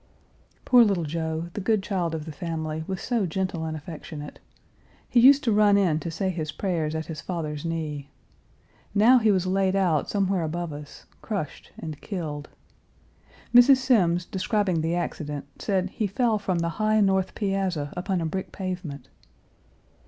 Poor little Joe, the good child of the family, was so gentle and affectionate. He used to run in to say his prayers at his father's knee. Now he was laid out somewhere above us, crushed and killed. Mrs. Semmes, describing the accident, said he fell from the high north piazza upon a brick pavement.